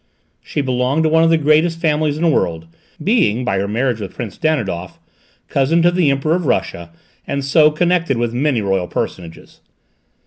She belonged to one of the greatest families in the world, being, by her marriage with Prince Danidoff, cousin to the Emperor of Russia and, so, connected with many royal personages.